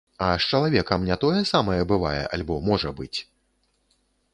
А з чалавекам не тое самае бывае альбо можа быць?